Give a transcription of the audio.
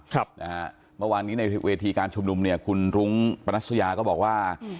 เมื่อวานนี้ในเวทีการชุมนุมเนี่ยคุณรุ้งปนัสยาก็บอกว่า